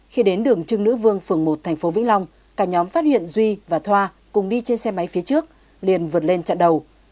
khi đến đường trưng nữ vương phường một tp vĩnh long cả nhóm phát hiện duy và thoa cùng đi trên xe máy phía trước liền vượt lên chặn đầu